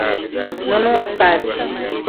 Nunua sukari.